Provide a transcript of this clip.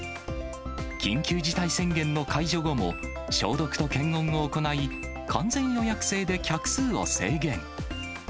緊急事態宣言の解除後も、消毒と検温を行い、完全予約制で客数を制限。